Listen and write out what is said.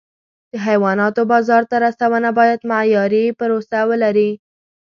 د حیواناتو بازار ته رسونه باید معیاري پروسه ولري.